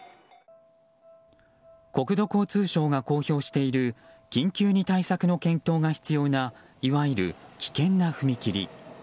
国土交通省が公表している緊急に対策の検討が必要ないわゆる危険な踏切。